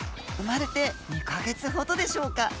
生まれて２か月ほどでしょうか？